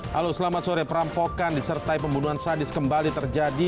halo selamat sore perampokan disertai pembunuhan sadis kembali terjadi